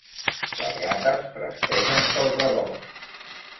Les rates trastegen pel rebost.